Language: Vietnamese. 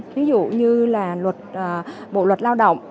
ví dụ như là bộ luật lao động